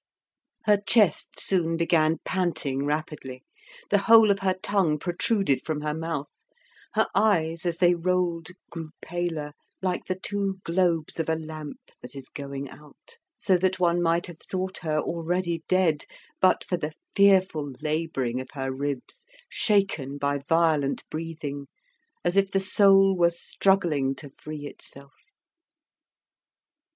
Her chest soon began panting rapidly; the whole of her tongue protruded from her mouth; her eyes, as they rolled, grew paler, like the two globes of a lamp that is going out, so that one might have thought her already dead but for the fearful labouring of her ribs, shaken by violent breathing, as if the soul were struggling to free itself.